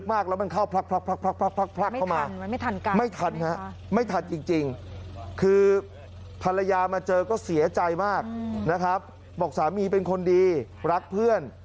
พาละยามาเจอก็เสียใจมากบอกสามีเป็นคนดีรักเพื่อน